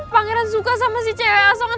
pangeran suka sama si cewek asongan